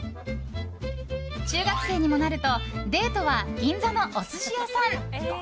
中学生にもなるとデートは銀座のお寿司屋さん。